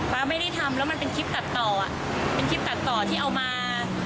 ไม่ได้ทำแล้วมันเป็นคลิปตัดต่อเป็นคลิปตัดต่อที่เอามา